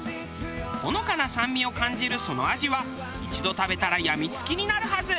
ほのかな酸味を感じるその味は一度食べたら病み付きになるはず。